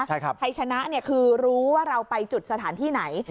ให้ชนะคือรู้ว่าเราไปจุดสถานที่ไหน